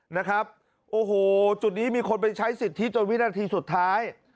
นะครับโอ้โหจุดนี้มีคนไปใช้สิทธิจนวินาทีสุดท้าย